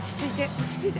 落ち着いて！